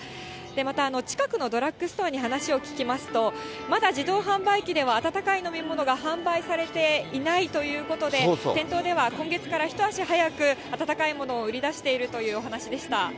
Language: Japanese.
また、近くのドラッグストアに話を聞きますと、まだ自動販売機では温かい飲み物が販売されていないということで、店頭では今月から一足早く温かいものを売り出しているというお話でした。